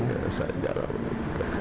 ya sejak jalan